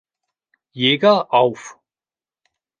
Jäger“ auf.